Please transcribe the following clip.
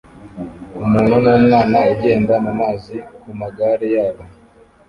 umuntu numwana ugenda mumazi kumagare yabo